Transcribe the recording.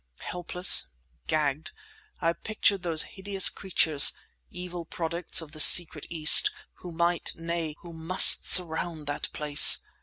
Helpless, gagged, I pictured those hideous creatures, evil products of the secret East, who might, nay, who must surround that place!